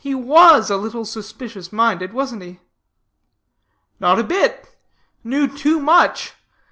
He was a little suspicious minded, wasn't he?" "Not a bit. Knew too much.